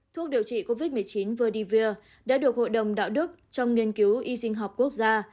thuốc điều trị covid một mươi chín voldivir đã được hội đồng đạo đức trong nghiên cứu y sinh học quốc gia